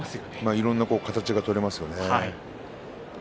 いろんな形が取れますよね。